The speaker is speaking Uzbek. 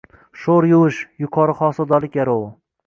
Sho‘r yuvish – yuqori hosildorlik garovi